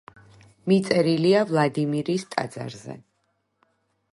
მიწერილია ვლადიმირის ტაძარზე.